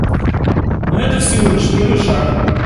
Но это всего лишь первый шаг.